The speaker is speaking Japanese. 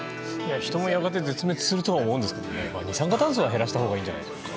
人もやがて絶滅するとは思うんですけど二酸化炭素は減らしたほうがいいんじゃないでしょうか。